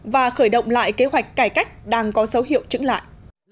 và khởi động lại kế hoạch cải cách đang có dấu hiệu trứng lại